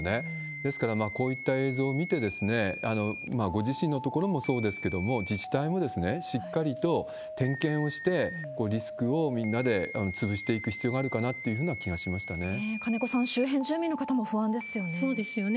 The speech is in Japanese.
ですから、こういった映像を見て、ご自身の所もそうですけども、自治体もしっかりと点検をして、リスクをみんなで潰していく必要があるかなっていう気がしました金子さん、そうですよね。